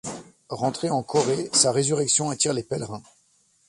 Rentré en Corée, sa résurrection attire les pèlerins.